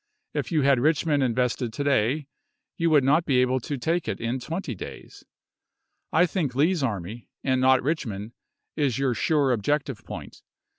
If you had Richmond invested to day, you would not be able to take it in twenty days. .. I think Lee's army, and not Richmond, is your sure objective point.